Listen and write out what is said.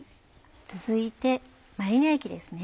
続いてマリネ液ですね。